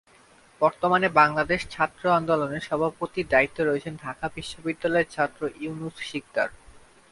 বর্তমানে বাংলাদেশ ছাত্র আন্দোলনের সভাপতির দায়িত্বে রয়েছেন ঢাকা বিশ্ববিদ্যালয়ের ছাত্র ইউনুস সিকদার।